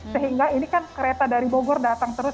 sehingga ini kan kereta dari bogor datang terus